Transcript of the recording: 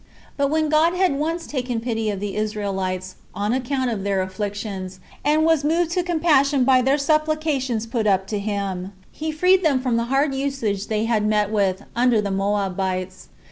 But when God had once taken pity of the Israelites, on account of their afflictions, and was moved to compassion by their supplications put up to him, he freed them from the hard usage they had met with under the Moabites.